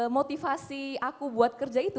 motivasi aku buat kerja itu